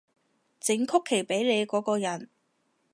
整曲奇畀你嗰個人